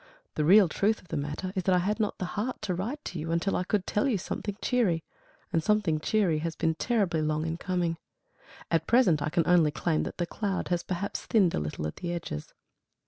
The real truth of the matter is that I had not the heart to write to you until I could tell you something cheery; and something cheery has been terribly long in coming. At present I can only claim that the cloud has perhaps thinned a little at the edges.